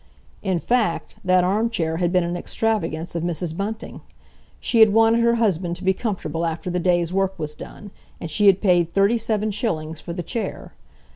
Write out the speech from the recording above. In fact, that arm chair had been an extravagance of Mrs. Bunting. She had wanted her husband to be comfortable after the day's work was done, and she had paid thirty seven shillings for the chair.